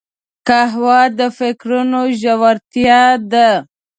قهوه د فکرونو ژورتیا ده